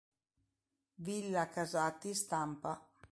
Villa Casati Stampa